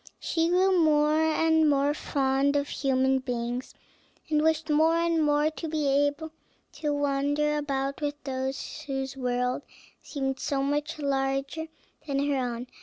She grew more and more fond of human beings, and wished more and more to be able to wander about with those whose world seemed to be so much larger than her own.